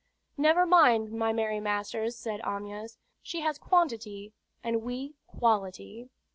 "Never mind, my merry masters," said Amyas, "she has quantity and we quality."